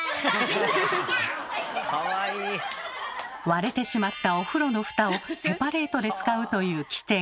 割れてしまったお風呂のフタをセパレートで使うという機転。